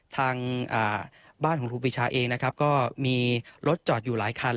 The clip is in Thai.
ทางบ้านของครูปีชาเองนะครับก็มีรถจอดอยู่หลายคัน